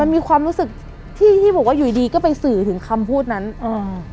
มีความรู้สึกที่ที่บอกว่าอยู่ดีก็ไปสื่อถึงคำพูดนั้นอืม